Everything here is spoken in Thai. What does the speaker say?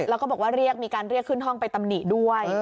แล้วก็บอกว่าเรียกมีการเรียกขึ้นห้องไปตำหนิด้วย